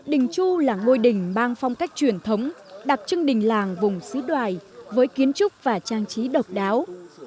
đình chu là ngôi đình mang phong cách truyền thống đặc trưng đình làng vùng xứ đoài với kiến trúc và trang trí độc đáo